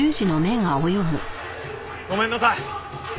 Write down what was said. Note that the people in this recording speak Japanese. ごめんなさい。